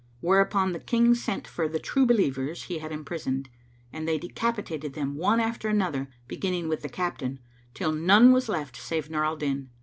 Whereupon the King sent for the True Believers he had imprisoned; and they decapitated them, one after another, beginning with the captain, till none was left save Nur al Din.